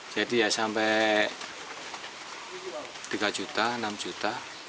jadi ya sampai tiga juta enam juta